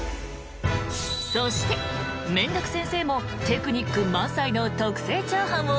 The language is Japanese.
［そしてめんどく先生もテクニック満載の特製チャーハンを大公開］